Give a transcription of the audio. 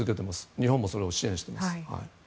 日本もそれを支援しています。